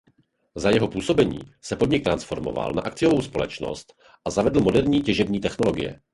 Za jeho působení se podnik transformoval na akciovou společnost a zavedl moderní těžební technologie.